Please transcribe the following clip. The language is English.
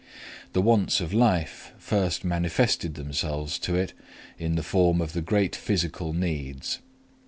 The wants of life first manifested themselves to it in the form of the great physical needs.